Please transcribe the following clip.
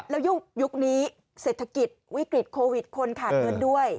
แล้วยุคนี้เศรษฐกิจวิกฤตโควิดคนขาดเงินด้วย